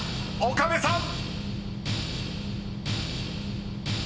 岡部さん！